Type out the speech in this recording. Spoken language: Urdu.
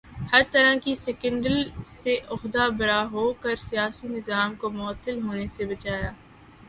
ہر طرح کے سکینڈل سے عہدہ برا ہو کر سیاسی نظام کو معطل ہونے سے بچایا